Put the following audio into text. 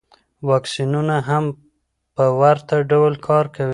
واکسینونه هم په ورته ډول کار کوي.